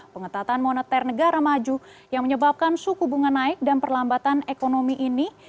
pengetatan moneter negara maju yang menyebabkan suku bunga naik dan perlambatan ekonomi ini